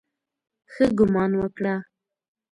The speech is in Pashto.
ښه ګومان وکړه.